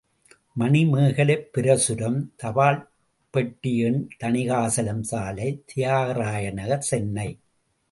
மணிமேகலைப் பிரசுரம் த.பெ.எண் தணிகாசலம் சாலை, தியாகராய நகர், சென்னை